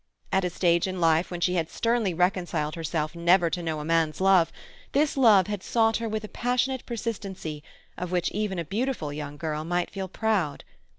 At a stage in life when she had sternly reconciled herself never to know a man's love, this love had sought her with passionate persistency of which even a beautiful young girl might feel proud.